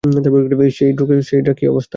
হেই, Drac, কী অবস্থা?